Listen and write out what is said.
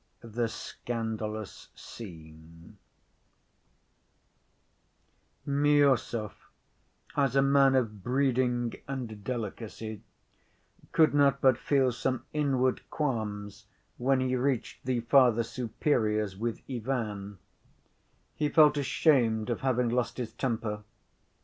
The Scandalous Scene Miüsov, as a man of breeding and delicacy, could not but feel some inward qualms, when he reached the Father Superior's with Ivan: he felt ashamed of having lost his temper.